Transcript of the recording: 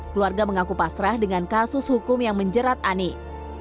keluarga mengaku pasrah dengan kasus hukum yang menjerat anik